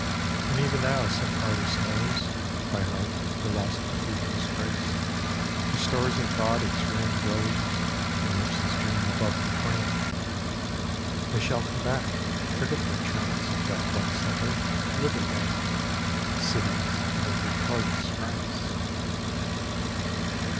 And even now some artist knows By heart the lost cathedral's grace, Restores in thought its ruined rose, And lifts his dream above the plain. They shall come back, forget their trance Of death like slumber, live again, Cities of a victorious France!